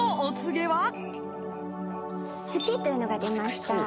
月というのが出ました。